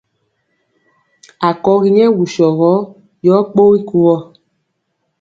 Akɔgi nyɛ wusɔ gɔ yɔ kpogi kuvɔ.